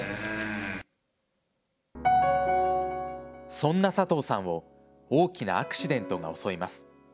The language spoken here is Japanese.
そんな佐藤さんを大きなアクシデントが襲います。